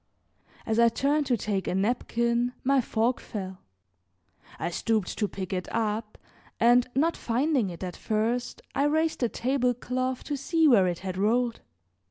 As I turned to take a napkin, my fork fell. I stooped to pick it up, and not finding it at first I raised the table cloth to see where it had rolled.